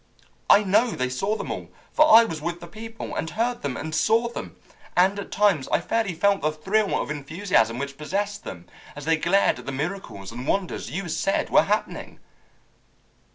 I know they saw them all, for I was with the people, and heard them, and saw them, and at times I fairly felt the thrill of enthusiasm which possessed them as they glared at the miracles and wonders you said were happening."